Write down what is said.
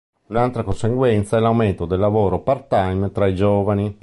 Un'altra conseguenza è l'aumento del lavoro part-time tra i giovani.